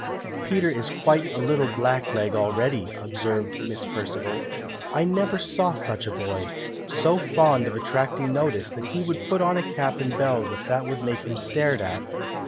"Peter is quite a little black leg already," observed Miss Perceval. "I never saw such a boy! So fond of attracting notice, that he would put on a cap and bells if that would make him stared at.